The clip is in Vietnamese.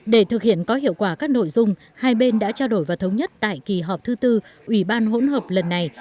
để thực hiện có hiệu quả các nội dung hai bên đã trao đổi và thống nhất tại kỳ họp thứ tư ủy ban hỗn hợp lần này